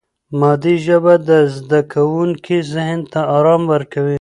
مادي ژبه د زده کوونکي ذهن ته آرام ورکوي.